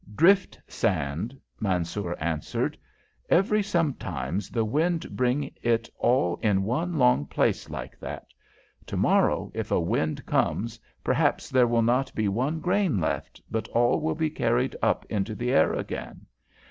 "Drift sand," Mansoor answered. "Every sometimes the wind bring it all in one long place like that. To morrow, if a wind comes, perhaps there will not be one grain left, but all will be carried up into the air again.